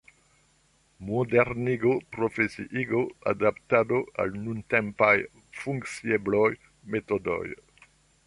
Modernigo, profesiigo, adaptado al nuntempaj funkciebloj, metodoj.